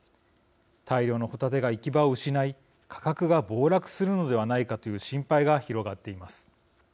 大量のホタテが行き場を失い価格が暴落するのではないかという心配が広がっています。